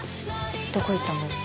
どこ行ったの？